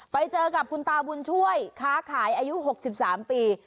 ไปเจอกับคุณตาบุญช่วยค้าขายอายุ๖๓ปี